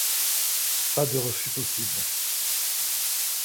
Pas de refus possible.